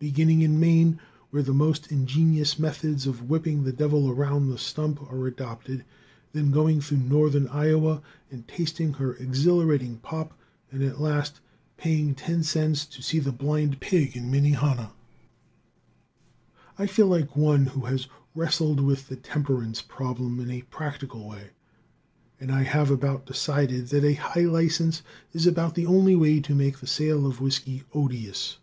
Beginning in Maine, where the most ingenious methods of whipping the devil around the stump are adopted, then going through northern Iowa and tasting her exhilarating pop, and at last paying ten cents to see the blind pig at Minnehaha, I feel like one who has wrestled with the temperance problem in a practical way, and I have about decided that a high license is about the only way to make the sale of whisky odious.